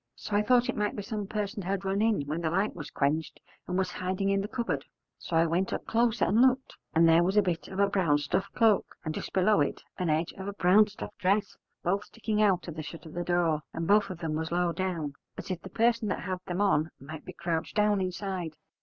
So I thought it might be some person had run in when the light was quenched, and was hiding in the cupboard. So I went up closer and looked: and there was a bit of a black stuff cloak, and just below it an edge of a brown stuff dress, both sticking out of the shut of the door: and both of them was low down, as if the person that had them on might be crouched down inside.